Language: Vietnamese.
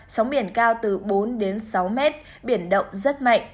sóng biển cao từ bốn sáu m biển động rất mạnh